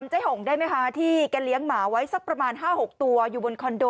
เจ๊หงได้ไหมคะที่แกเลี้ยงหมาไว้สักประมาณ๕๖ตัวอยู่บนคอนโด